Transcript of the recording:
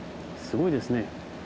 すごいですね